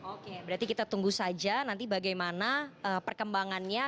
oke berarti kita tunggu saja nanti bagaimana perkembangannya